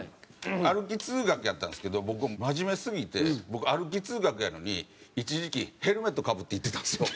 歩き通学やったんですけど僕真面目すぎて僕歩き通学やのに一時期ヘルメットかぶって行ってたんですよ。